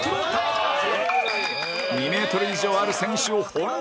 ２メートル以上ある選手を翻弄